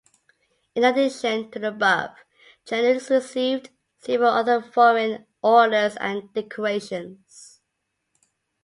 In addition to the above, Chennault received several other foreign orders and decorations.